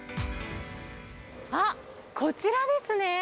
あ、こちらですね。